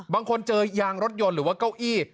บางคนเจอยางรถยนต์หรือว่าเก้าอี้